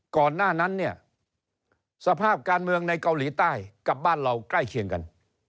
ก่อนหน้านั้นเนี่ยสภาพการเมืองในเกาหลีใต้กับบ้านเราใกล้เคียงกัน